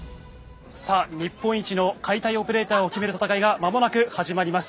さあ日本一の解体オペレーターを決める戦いが間もなく始まります。